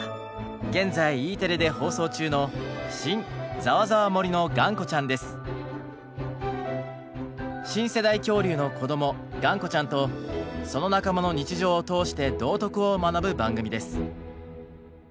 現在Ｅテレで放送中の新世代恐竜のこどもがんこちゃんとその仲間の日常を通して道徳を学ぶ番組です。